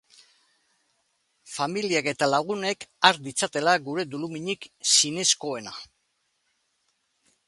Familiak eta lagunek har ditzatela gure doluminik zinezkoenak.